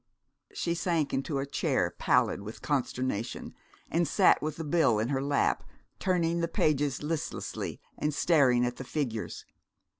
She sank into a chair, pallid with consternation, and sat with the bill in her lap, turning the pages listlessly, and staring at the figures.